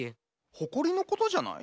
ほこりのことじゃない？